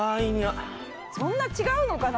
そんな違うのかな？